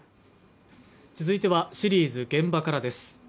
続いてはシリーズ「現場から」です。